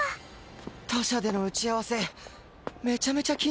他社での打ち合わせめちゃめちゃ緊張しました。